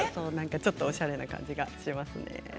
ちょっとおしゃれな感じ出ますね。